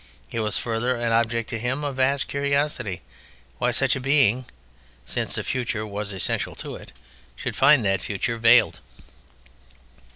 It was further an object to him of vast curiosity why such a being, since a future was essential to it, should find that future veiled.